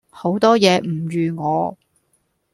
好多野唔預我